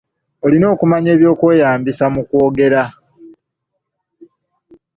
Olina okumanya eby'okweyambisa mu kwogera.